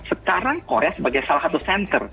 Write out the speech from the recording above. sekarang korea sebagai salah satu center